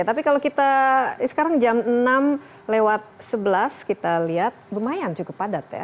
tapi kalau kita sekarang jam enam lewat sebelas kita lihat lumayan cukup padat ya